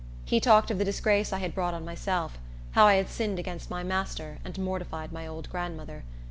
He talked of the disgrace I had brought on myself; how I had sinned against my master, and mortified my old grandmother.